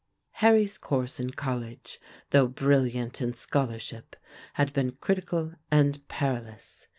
Harry's course in college, though brilliant in scholarship, had been critical and perilous.